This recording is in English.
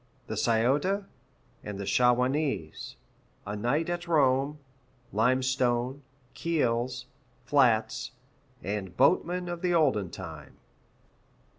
The Scioto, and the Shawanese A night at Rome Limestone Keels, flats, and boatmen of the olden time.